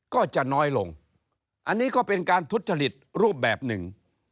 ก็จะน้อยลงอันนี้ก็เป็นการทุจริตรูปแบบหนึ่ง